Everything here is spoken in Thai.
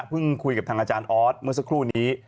คุยกับทางอาจารย์ออสเมื่อสักครู่นี้